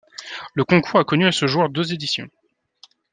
Le concours a connu à ce jour deux éditions.